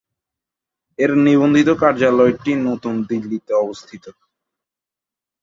এর নিবন্ধিত কার্যালয়টি নতুন দিল্লিতে অবস্থিত।